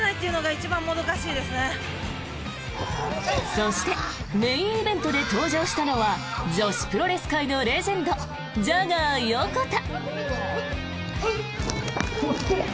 そしてメインイベントで登場したのは女子プロレス界のレジェンドジャガー横田。